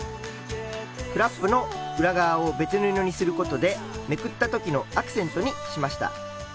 フラップの裏側を別布にすることでめくった時のアクセントにしました。